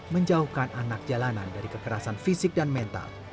menjauhkan anak jalanan dari kekerasan fisik dan mental